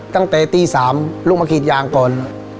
ตั้งแต่ตี๓ลูกมากรีดยางก่อน